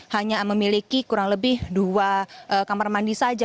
hanya memiliki kurang lebih dua kamar mandi saja